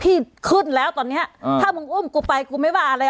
ที่ขึ้นแล้วตอนเนี้ยถ้ามึงอุ้มกูไปกูไม่ว่าอะไร